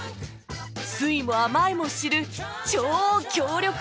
酸いも甘いも知る超強力アテンダー